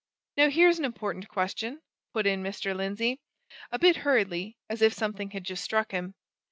"Now, here's an important question," put in Mr. Lindsey, a bit hurriedly, as if something had just struck him.